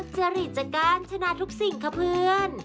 อ๋อจริจการชนะทุกสิ่งค่ะเพื่อน